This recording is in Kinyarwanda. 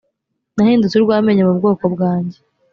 nahindutse urwamenyo mu bwoko bwanjye.